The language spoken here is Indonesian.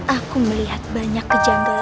aku melihat banyak kejantolan yang